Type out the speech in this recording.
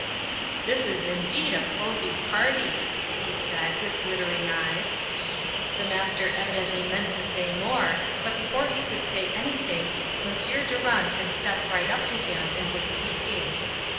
"This is indeed a cosy party," he said, with glittering eyes. The Master evidently meant to say more, but before he could say anything M. Durand had stepped right up to him and was speaking.